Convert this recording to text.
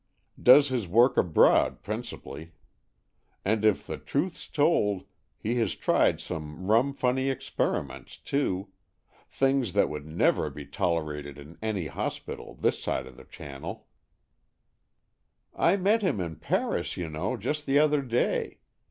Does his work abroad principally. xAnd if the truth's told, he has tried some rum funny experiments, too — things that would never be tolerated in any hospital this side of the Channel." AN EXCHANGE OF SOULS 13 " I met him in Paris, you know, just the other day.